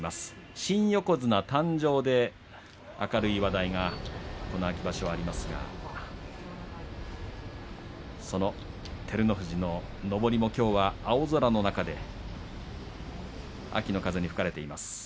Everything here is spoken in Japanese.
新横綱の誕生明るい話題がこの秋場所ありますがその照ノ富士ののぼりもきょうは青空の中で秋の風に吹かれています。